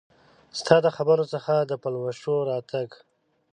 ستا د خبرو څخه د پلوشو د راتګ